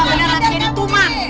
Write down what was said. beneran sini tuman